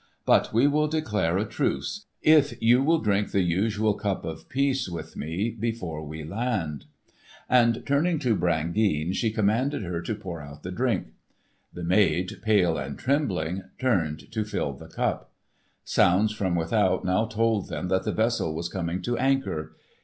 But we will declare a truce, if you will drink the usual cup of peace with me before we land." And turning to Brangeane she commanded her to pour out the drink. The maid, pale and trembling, turned to fill the cup. Sounds from without now told them that the vessel was coming to anchor.